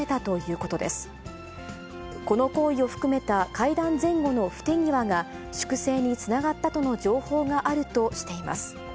この行為を含めた会談前後の不手際が粛清につながったとの情報があるとしています。